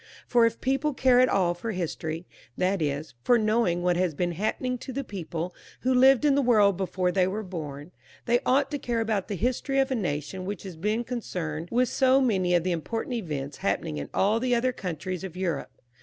For, if people care at all for history — that is, for knowing what has been happening to the people who lived in the world before they were bom — they ought to care about the history of a nation with which their own country has had so much to do, and which has been concerned with so many of the important events happening in aU the other countries of Europe.